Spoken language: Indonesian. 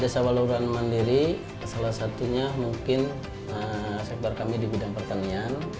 desa baluran mandiri salah satunya mungkin sektor kami di bidang pertanian